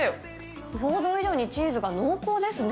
想像以上にチーズが濃厚ですね。